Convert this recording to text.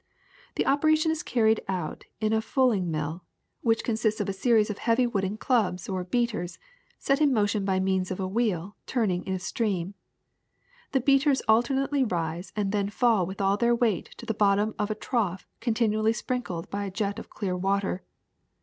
The operation is car 41 42 THE SECRET OF EVERYDAY THINGS ried out in a fulling mill, which consists of a series of heavy wooden clubs or beaters set in motion by means of a wheel turning in a stream. The beaters alternately rise and then fall with all their weight to the bottom of a trough continually sprinkled by a jet of clear water.